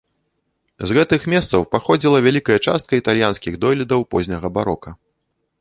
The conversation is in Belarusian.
З гэтых месцаў паходзіла вялікая частка італьянскіх дойлідаў позняга барока.